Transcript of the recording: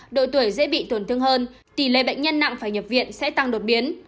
độ tuổi dễ bị tổn thương hơn tỷ lệ bệnh nhân nặng phải nhập viện sẽ tăng đột biến